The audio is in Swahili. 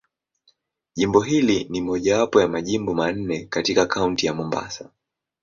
Jimbo hili ni mojawapo ya Majimbo manne katika Kaunti ya Mombasa.